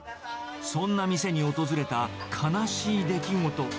そんな店に訪れた悲しい出来事。